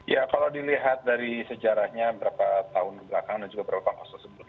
ya kalau dilihat dari sejarahnya beberapa tahun belakang dan juga beberapa pangkos tersebut